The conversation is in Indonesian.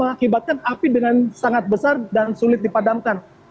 apakah api sudah berhasil dipadamkan